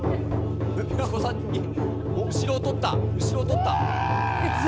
平子さんに、後ろを取った、後ろを取った。